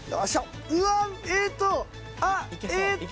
うわっえっとあっえっと。